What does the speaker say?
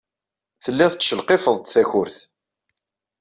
Telliḍ tettcelqifeḍ-d takurt.